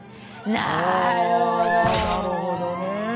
なるほどね。